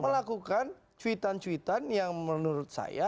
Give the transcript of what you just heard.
melakukan cuitan cuitan yang menurut saya